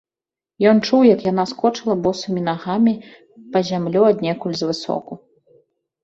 Ён чуў, як яна скочыла босымі нагамі па зямлю аднекуль звысоку.